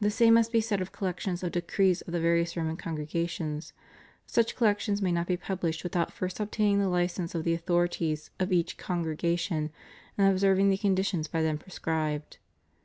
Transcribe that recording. The same must be said of collections of decrees of the various Roman congregations: such collections maj not be pubhshed without first obtaining the hcense of the authorities of each congregation, and observing the con ditions by them prescribed.